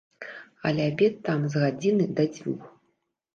Але абед там з гадзіны да дзвюх.